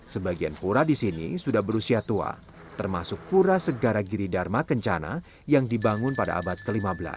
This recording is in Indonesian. sebagian pura di sini sudah berusia tua termasuk pura segara giri dharma kencana yang dibangun pada abad ke lima belas